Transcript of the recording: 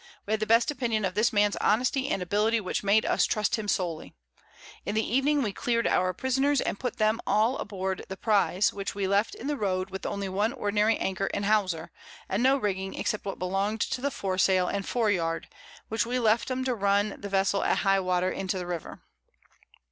We had the best Opinion of this Man's Honesty and Ability, which made us trust him solely. In the Evening we clear'd our Prisoners, and put them all aboard the Prize, which we left in the Road with only one ordinary Anchor and Hawser, and no Rigging, except what belong'd to the Fore sail and Fore yard, which we left them to run the Vessel at High Water into the River.